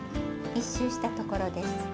１周したところです。